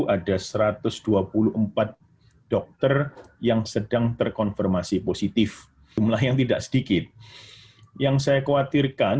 ada satu ratus dua puluh empat dokter yang sedang terkonfirmasi positif jumlah yang tidak sedikit yang saya khawatirkan